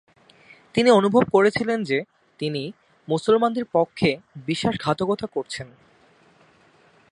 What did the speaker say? তিনি অনুভব করেছিলেন যে তিনি "মুসলমানদের পক্ষে বিশ্বাসঘাতকতা করছেন"।